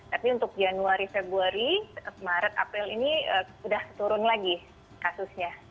tapi untuk januari februari maret april ini sudah turun lagi kasusnya